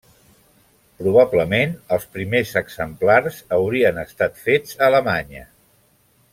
Probablement els primers exemplars haurien estat fets a Alemanya.